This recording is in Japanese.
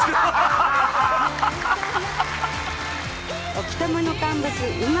置賜の乾物うまいよ。